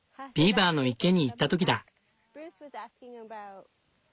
ビーバーの池に行った時だ。